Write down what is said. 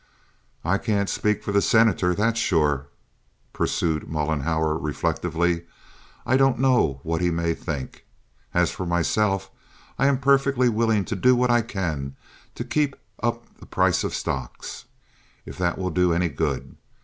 "I can't speak for the Senator, that's sure," pursued Mollenhauer, reflectively. "I don't know what he may think. As for myself, I am perfectly willing to do what I can to keep up the price of stocks, if that will do any good.